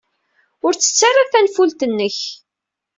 Ur ttettu ara tanfult-nnek.